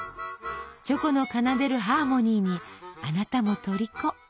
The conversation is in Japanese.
チョコの奏でるハーモニーにあなたもとりこ！